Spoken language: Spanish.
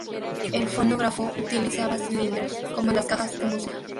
El fonógrafo utilizaba cilindros, como las cajas de música.